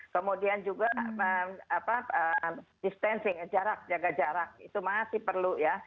kemudian juga distancing jarak jaga jarak itu masih perlu ya